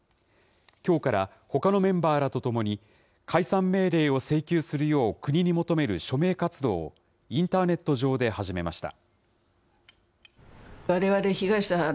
きょうからほかのメンバーらと共に、解散命令を請求するよう国に求める署名活動を、インターネット上で始めました。